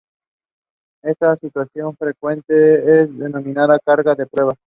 En esta situación frecuentemente es denominada carga de prueba.